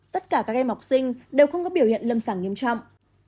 tất cả các em học sinh đều không có biểu hiện lâm sàng nghiêm trọng